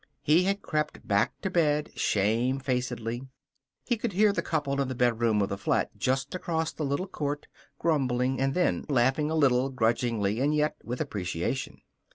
He had crept back to bed shamefacedly. He could hear the couple in the bedroom of the flat just across the little court grumbling and then laughing a little, grudgingly, and yet with appreciation.